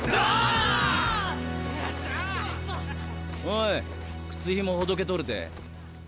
おい靴ひもほどけとるで。